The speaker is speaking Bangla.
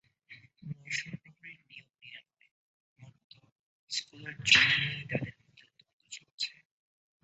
নৈশপ্রহরী নিয়োগ নিয়ে নয়, মূলত স্কুলের জমি নিয়েই তাঁদের মধ্যে দ্বন্দ্ব চলছে।